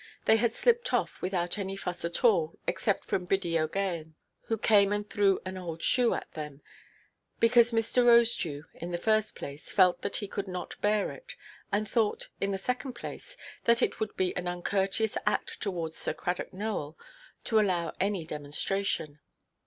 They had slipped off without any fuss at all (except from Biddy OʼGaghan, who came and threw an old shoe at them), because Mr. Rosedew, in the first place, felt that he could not bear it, and thought, in the second place, that it would be an uncourteous act towards Sir Cradock Nowell to allow any demonstration.